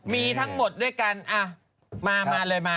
มีทั้งหมดด้วยกันมามาเลยมา